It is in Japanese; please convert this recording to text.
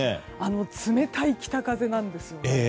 冷たい北風なんです。